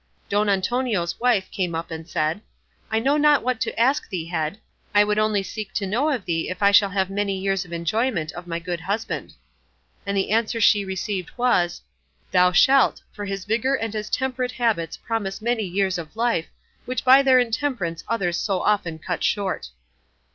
Don Antonio's wife came up and said, "I know not what to ask thee, Head; I would only seek to know of thee if I shall have many years of enjoyment of my good husband;" and the answer she received was, "Thou shalt, for his vigour and his temperate habits promise many years of life, which by their intemperance others so often cut short."